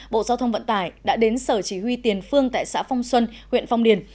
bộ giao thông vận tải đã đến sở chỉ huy tiền phương tại xã phong xuân huyện phong điền